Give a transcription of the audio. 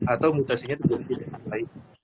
atau mutasinya itu berarti tidak terletak